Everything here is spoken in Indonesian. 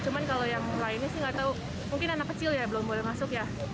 cuma kalau yang lainnya sih nggak tahu mungkin anak kecil ya belum boleh masuk ya